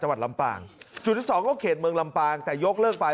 จับลำปางจุดที่สองเขาเขดเมืองลำปางยกเลิกไป